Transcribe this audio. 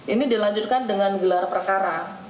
ini dilanjutkan dengan gelar perkara